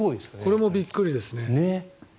これもびっくりですね。